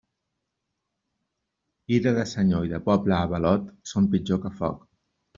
Ira de senyor i de poble avalot són pitjor que foc.